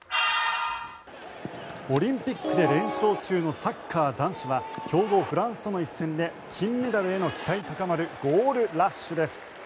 オリンピックで連勝中のサッカー男子は強豪フランスとの一戦で金メダルの期待高まるゴールラッシュです。